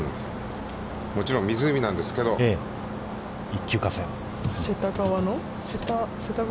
もちろん湖なんですけど、一級河川？